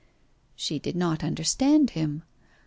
She did not understand him.